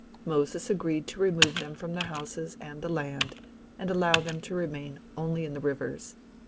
Moses agreed to remove them from the houses and the land, and allow them to remain only in the rivers.